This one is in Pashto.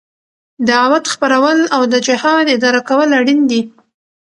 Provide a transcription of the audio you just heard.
دعوت خپرول او د جهاد اداره کول اړين دي.